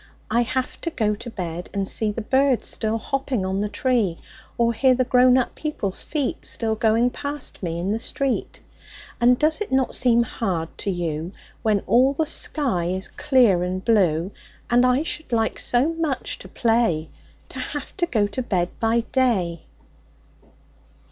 I have to go to bed and see The birds still hopping on the tree, Or hear the grown up people's feet Still going past me in the street. And does it not seem hard to you, When all the sky is clear and blue, And I should like so much to play, To have to go to bed by day?